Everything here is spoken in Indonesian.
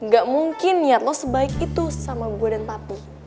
gak mungkin niat lo sebaik itu sama gua dan patu